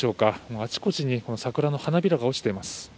あちこちに桜の花びらが落ちています。